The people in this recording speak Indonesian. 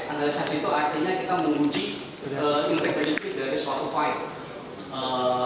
analisa itu artinya kita menguji integratif dari suatu file